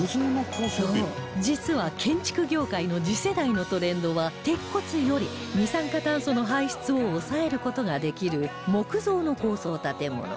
そう実は建築業界の次世代のトレンドは鉄骨より二酸化炭素の排出を抑える事ができる木造の高層建物